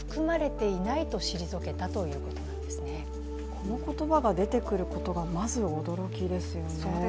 この言葉が出てくることがまず驚きですよね。